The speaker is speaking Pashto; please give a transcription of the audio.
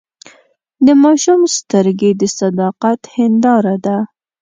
د ماشوم سترګې د صداقت هنداره ده.